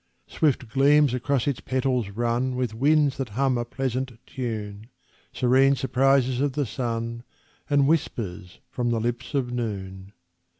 Swift gleams across its petals run With winds that hum a pleasant tune, Serene surprises of the sun, And whispers from the lips of noon.